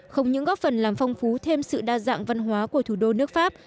không những góp phần làm phong phú thêm sự đa dạng văn hóa của thủ đô nước pháp